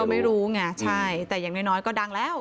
ไม่รู้ไงใช่แต่อย่างน้อยก็ดังแล้ว